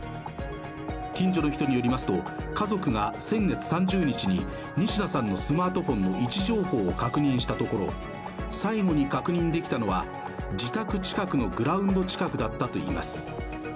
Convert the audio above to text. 近所の人によりますと家族が先月３０日に仁科さんのスマートフォンの位置情報を確認したところ、最後に確認できたのは自宅近くのグラウンド近くだったといいます。